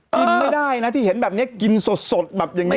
กินไม่ได้นะที่เห็นแบบนี้กินสดแบบอย่างนี้